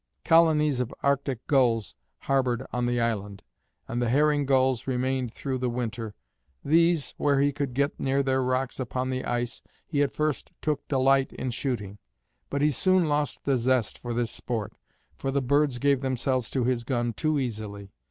Colonies of Arctic gulls harboured on the island, and the herring gulls remained through the winter; these, where he could get near their rocks upon the ice, he at first took delight in shooting; but he soon lost the zest for this sport, for the birds gave themselves to his gun too easily.